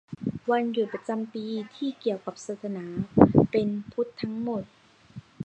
- วันหยุดประจำปี ที่เกี่ยวกับศาสนา เป็นพุทธทั้งหมด